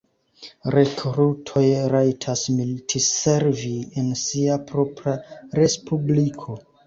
Rekrutoj rajtas militservi en sia propra respubliko.